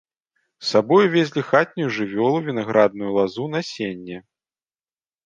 З сабою везлі хатнюю жывёлу, вінаградную лазу, насенне.